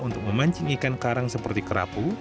untuk memancing ikan karang seperti kerapu